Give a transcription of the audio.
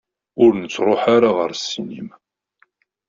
Ur nettruḥ ara ɣer ssinima.